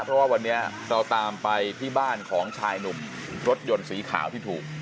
เพราะว่าวันนี้เราตามไปที่บ้านของชายหนุ่มรถยนต์สีขาวที่ถูก